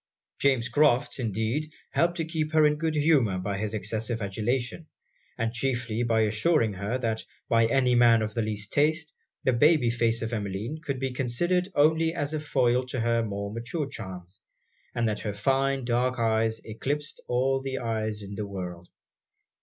James Crofts, indeed, helped to keep her in good humour by his excessive adulation; and chiefly by assuring her, that by any man of the least taste, the baby face of Emmeline could be considered only as a foil to her more mature charms, and that her fine dark eyes eclipsed all the eyes in the world.